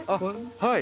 はい。